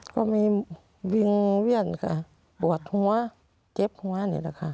ก็มีวิงเวียนค่ะปวดหัวเจ็บหัวนี่แหละค่ะ